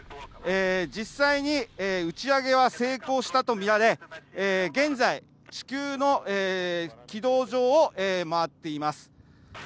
実際に打ち上げは成功したと見られ、現在、地球の軌道上を回っています。